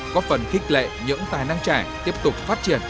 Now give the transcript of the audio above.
có phần khích lệ những tài năng trẻ tiếp tục phát triển